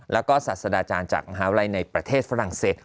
แล้วก็ศาสดาจารย์จากมหาวิทยาลัยในประเทศฝรั่งเศส